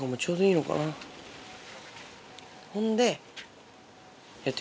ほんで。